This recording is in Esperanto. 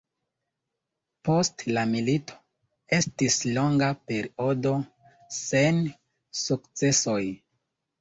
Post la milito, estis longa periodo sen sukcesoj.